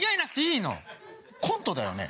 コントだよね？